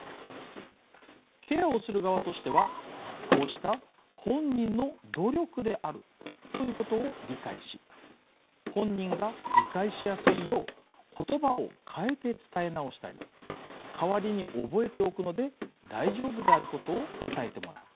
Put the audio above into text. ケアをする側としてはこうした本人の努力であるということを理解し本人が理解しやすいよう言葉を変えて伝え直したり代わりに覚えておくので大丈夫であることを伝えてもらう。